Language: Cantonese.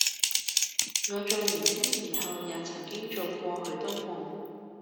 我在年青時候也曾經做過許多夢，